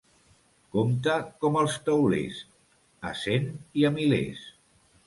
Compta com els teulers, a cent i a milers.